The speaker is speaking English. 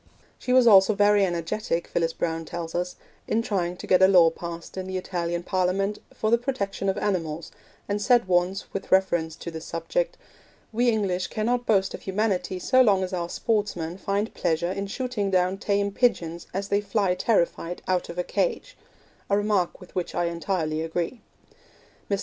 She was also very energetic, Phyllis Browne tells us, in trying to get a law passed in the Italian Parliament for the protection of animals, and said once, with reference to this subject, 'We English cannot boast of humanity so long as our sportsmen find pleasure in shooting down tame pigeons as they fly terrified out of a cage' a remark with which I entirely agree. Mr.